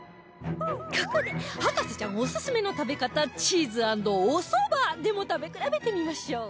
ここで博士ちゃんオススメの食べ方チーズ＆お蕎麦でも食べ比べてみましょう